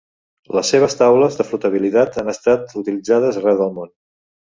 Les seves taules de flotabilitat han estat utilitzades arreu del món.